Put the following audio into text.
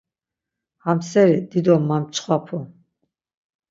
Ham seri dido maçxvapu.